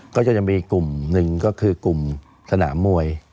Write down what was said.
ก็จะมีอีกกลุ่มหนึ่งก็คือกลุ่มสนามมวย